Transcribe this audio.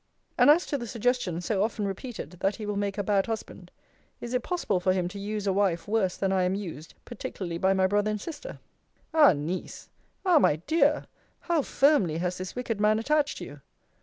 And as to the suggestion, so often repeated, that he will make a bad husband, Is it possible for him to use a wife worse than I am used; particularly by my brother and sister? Ah, Niece! Ah, my dear! how firmly has this wicked man attached you!